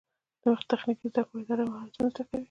د تخنیکي زده کړو اداره مهارتونه زده کوي